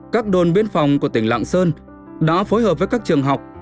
các đồn biên phòng của tỉnh lạng sơn đã phối hợp với các trường học